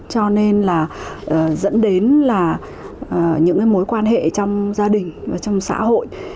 cho nên dẫn đến những mối quan hệ trong gia đình trong xã hội